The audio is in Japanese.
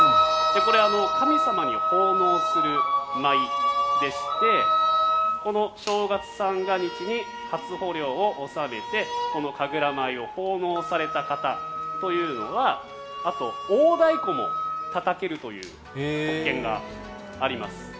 これ、神様に奉納する舞でしてこの正月三が日に初穂料を納めてこの神楽舞を奉納された方というのは大太鼓もたたけるという特権があります。